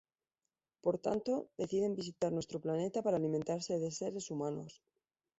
Por tanto, deciden visitar nuestro planeta para alimentarse de seres humanos.